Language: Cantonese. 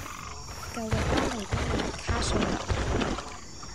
舊域多利軍營卡素樓